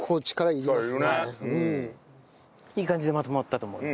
いい感じでまとまったと思います。